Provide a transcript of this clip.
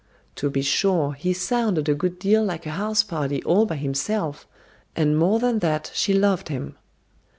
To be sure, he sounded a good deal like a house party all by himself, and more than that she loved him.